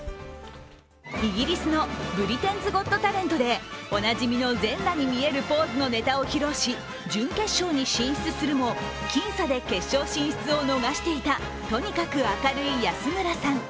イギリスのブリテンズ・ゴット・タレントでおなじみの全裸に見えるポーズのネタを披露し準決勝に進出するも僅差で決勝進出を逃していたとにかく明るい安村さん。